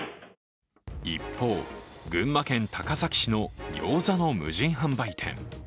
一方、群馬県高崎市のギョーザの無人販売店。